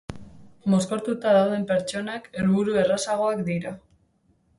Mozkortuta dauden pertsonak helburu errazagoak dira.